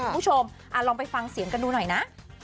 คุณผู้ชมลองไปฟังเสียงกันดูหน่อยนะ